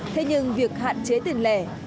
thế nhưng việc hạn chế tiền lẻ